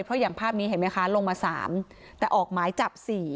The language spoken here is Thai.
เพราะอย่างภาพนี้เห็นไหมคะลงมา๓แต่ออกหมายจับ๔